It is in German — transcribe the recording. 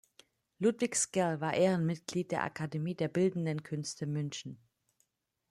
Ludwig Sckell war Ehrenmitglied der Akademie der bildenden Künste München.